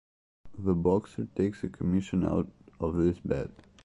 The boxer takes a commission out of this bet.